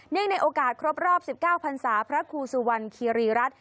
ในโอกาสครบรอบ๑๙พันศาพระครูสุวรรณคีรีรัฐ